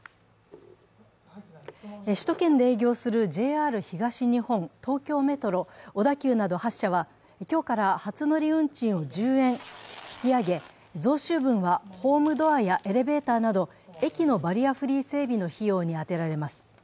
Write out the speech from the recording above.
首都圏で営業するＪＲ東日本、東京メトロ、小田急など８社は今日から初乗り運賃を１０円引き上げ、増収分はホームドアやエレベーターなど駅のバリアフリー整備の費用に充てられます。